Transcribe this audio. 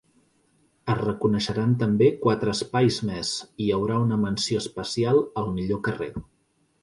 Es reconeixeran també quatre espais més, hi haurà una menció especial al millor carrer.